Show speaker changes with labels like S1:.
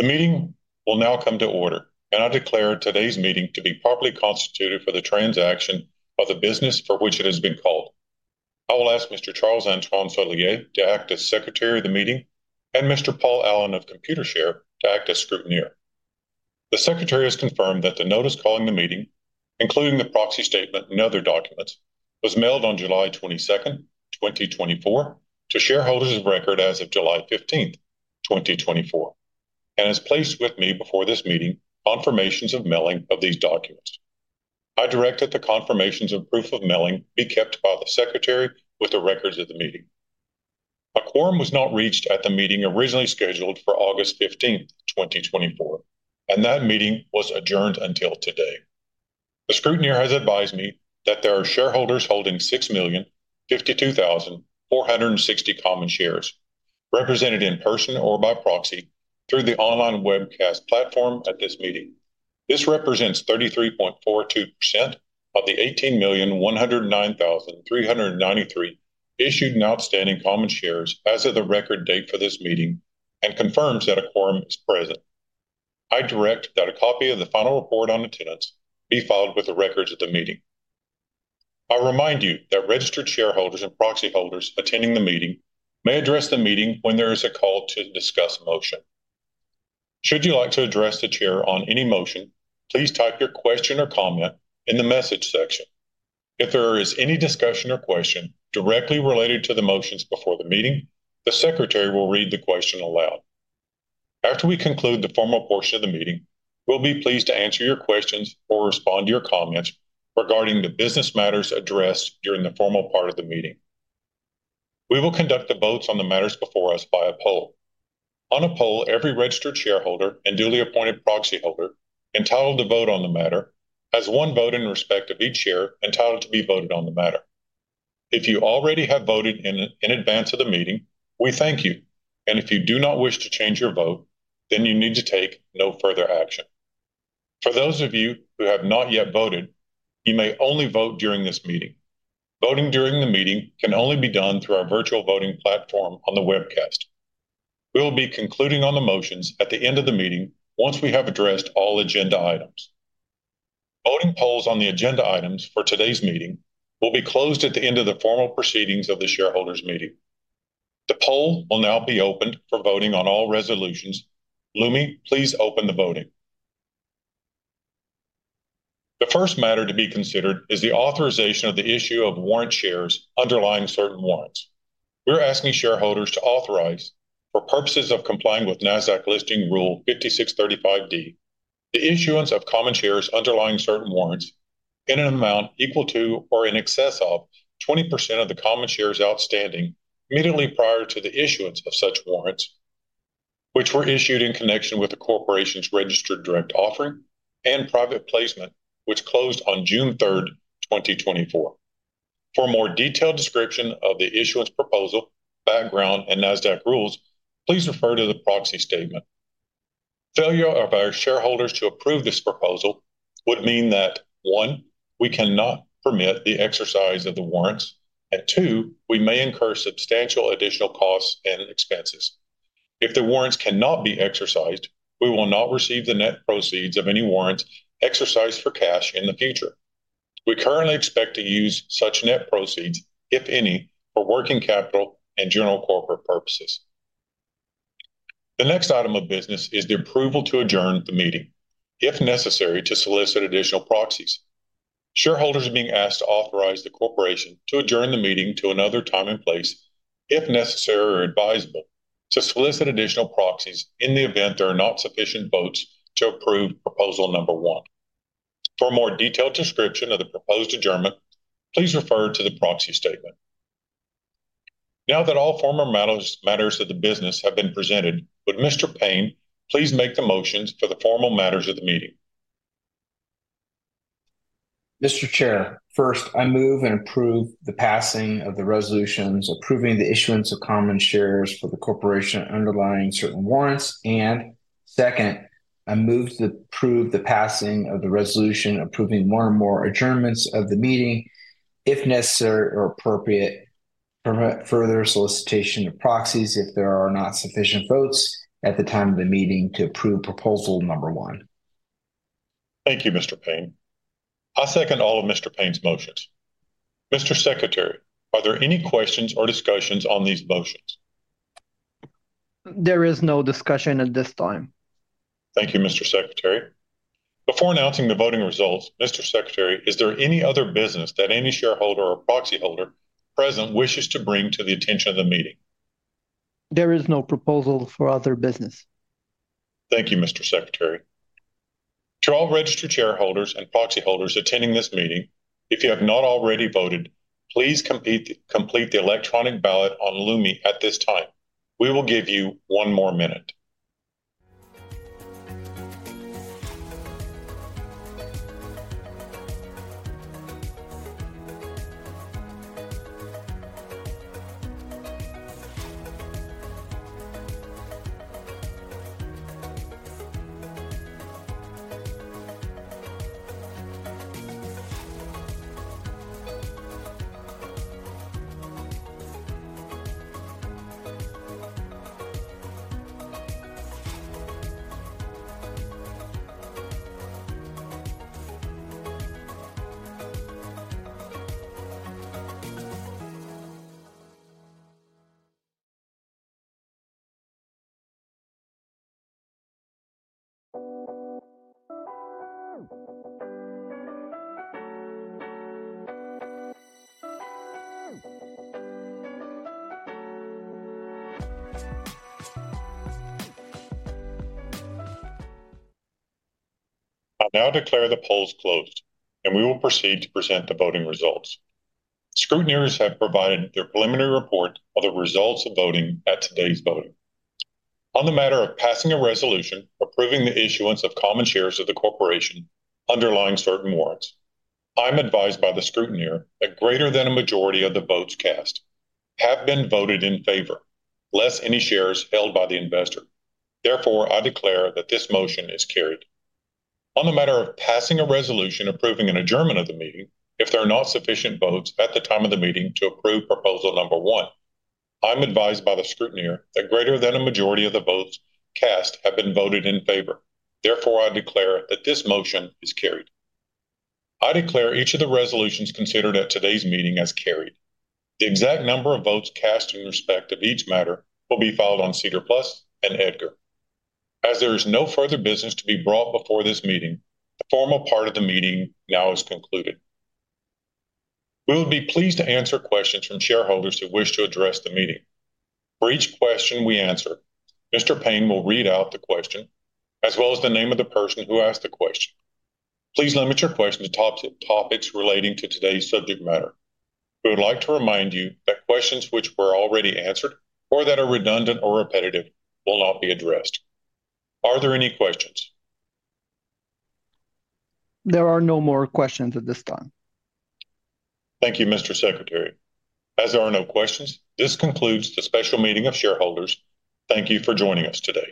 S1: The meeting will now come to order, and I declare today's meeting to be properly constituted for the transaction of the business for which it has been called. I will ask Mr. Charles-Antoine Soulière to act as secretary of the meeting and Mr. Paul Allen of Computershare to act as scrutineer. The secretary has confirmed that the notice calling the meeting, including the proxy statement and other documents, was mailed on July 22nd, 2024, to shareholders of record as of July 15th, 2024, and has placed with me before this meeting confirmations of mailing of these documents. I direct that the confirmations of proof of mailing be kept by the secretary with the records of the meeting. A quorum was not reached at the meeting originally scheduled for August 15th, 2024, and that meeting was adjourned until today. The scrutineer has advised me that there are shareholders holding 6,052,460 Common Shares, represented in person or by proxy through the online webcast platform at this meeting. This represents 33.42% of the 18,109,393 issued and outstanding Common Shares as of the record date for this meeting, and confirms that a quorum is present. I direct that a copy of the final report on attendance be filed with the records of the meeting. I'll remind you that registered shareholders and proxy holders attending the meeting may address the meeting when there is a call to discuss motion. Should you like to address the chair on any motion, please type your question or comment in the message section. If there is any discussion or question directly related to the motions before the meeting, the secretary will read the question aloud. After we conclude the formal portion of the meeting, we'll be pleased to answer your questions or respond to your comments regarding the business matters addressed during the formal part of the meeting. We will conduct the votes on the matters before us by a poll. On a poll, every registered shareholder and duly appointed proxy holder entitled to vote on the matter has one vote in respect of each share entitled to be voted on the matter. If you already have voted in advance of the meeting, we thank you, and if you do not wish to change your vote, then you need to take no further action. For those of you who have not yet voted, you may only vote during this meeting. Voting during the meeting can only be done through our virtual voting platform on the webcast. We will be concluding on the motions at the end of the meeting once we have addressed all agenda items. Voting polls on the agenda items for today's meeting will be closed at the end of the formal proceedings of the shareholders' meeting. The poll will now be opened for voting on all resolutions. Lumi, please open the voting. The first matter to be considered is the authorization of the issue of warrant shares underlying certain warrants. We're asking shareholders to authorize, for purposes of complying with Nasdaq Listing Rule 5635(d), the issuance of common shares underlying certain warrants in an amount equal to or in excess of 20% of the common shares outstanding immediately prior to the issuance of such warrants, which were issued in connection with the corporation's registered direct offering and private placement, which closed on June 3rd, 2024. For a more detailed description of the issuance proposal, background, and Nasdaq rules, please refer to the proxy statement. Failure of our shareholders to approve this proposal would mean that, one, we cannot permit the exercise of the warrants, and two, we may incur substantial additional costs and expenses. If the warrants cannot be exercised, we will not receive the net proceeds of any warrants exercised for cash in the future. We currently expect to use such net proceeds, if any, for working capital and general corporate purposes. The next item of business is the approval to adjourn the meeting, if necessary, to solicit additional proxies. Shareholders are being asked to authorize the corporation to adjourn the meeting to another time and place if necessary or advisable, to solicit additional proxies in the event there are not sufficient votes to approve proposal number one. For a more detailed description of the proposed adjournment, please refer to the proxy statement. Now that all formal matters of the business have been presented, would Mr. Payne please make the motions for the formal matters of the meeting?
S2: Mr. Chair, first, I move to approve the passing of the resolutions approving the issuance of common shares of the corporation underlying certain warrants, and second, I move to approve the passing of the resolution approving one or more adjournments of the meeting if necessary or appropriate to permit further solicitation of proxies if there are not sufficient votes at the time of the meeting to approve proposal number one.
S1: Thank you, Mr. Payne. I second all of Mr. Payne's motions. Mr. Secretary, are there any questions or discussions on these motions?
S3: There is no discussion at this time.
S1: Thank you, Mr. Secretary. Before announcing the voting results, Mr. Secretary, is there any other business that any shareholder or proxy holder present wishes to bring to the attention of the meeting?
S3: There is no proposal for other business.
S1: Thank you, Mr. Secretary. To all registered shareholders and proxy holders attending this meeting, if you have not already voted, please complete the electronic ballot on Lumi at this time. We will give you one more minute. I now declare the polls closed, and we will proceed to present the voting results. Scrutineers have provided their preliminary report of the results of voting at today's voting. On the matter of passing a resolution approving the issuance of common shares of the corporation underlying certain warrants, I'm advised by the scrutineer that greater than a majority of the votes cast have been voted in favor, less any shares held by the investor. Therefore, I declare that this motion is carried. On the matter of passing a resolution approving an adjournment of the meeting, if there are not sufficient votes at the time of the meeting to approve proposal number one, I'm advised by the scrutineer that greater than a majority of the votes cast have been voted in favor. Therefore, I declare that this motion is carried. I declare each of the resolutions considered at today's meeting as carried. The exact number of votes cast in respect of each matter will be filed on SEDAR+ and EDGAR. As there is no further business to be brought before this meeting, the formal part of the meeting now is concluded. We will be pleased to answer questions from shareholders who wish to address the meeting. For each question we answer, Mr. Payne will read out the question, as well as the name of the person who asked the question. Please limit your question to top topics relating to today's subject matter. We would like to remind you that questions which were already answered or that are redundant or repetitive will not be addressed. Are there any questions?
S3: There are no more questions at this time.
S1: Thank you, Mr. Secretary. As there are no questions, this concludes the special meeting of shareholders. Thank you for joining us today.